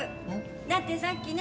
だってさっきね